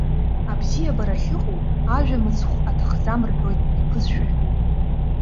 Абзиабара ахьыҟоу ажәа мыцхә аҭахӡам рҳәоит иԥызшәахьоу.